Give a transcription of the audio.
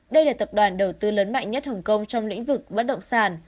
đây là tập đoàn đầu tư lớn mạnh nhất hồng kông trong lĩnh vực bất động sản